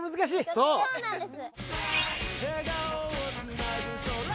そうなんです。